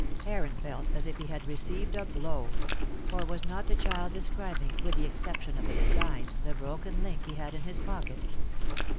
Heron felt as if he had received a blow. For was not the child describing, with the exception of the design, the broken link he had in his pocket?